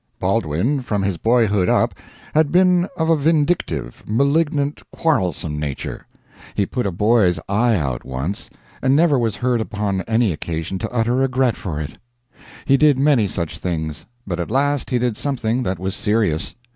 Baldwin, from his boyhood up, had been of a vindictive, malignant, quarrelsome nature. He put a boy's eye out once, and never was heard upon any occasion to utter a regret for it. He did many such things. But at last he did something that was serious.